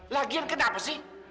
lagian kenapa sih